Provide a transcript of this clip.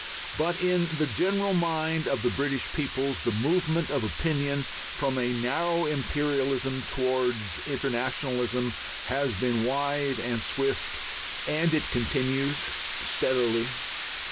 But in the general mind of the British peoples the movement of opinion from a narrow imperialism towards internationalism has been wide and swift. And it continues steadily.